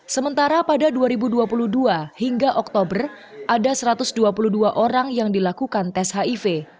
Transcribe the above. sementara pada dua ribu dua puluh dua hingga oktober ada satu ratus dua puluh dua orang yang dilakukan tes hiv